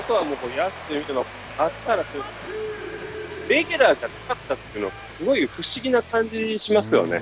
レギュラーじゃなかったというのがすごい不思議な感じがしますよね。